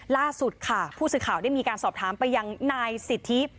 ล่าสุดค่ะผู้สื่อข่าวได้มีการสอบถามไปยังนายสิทธิ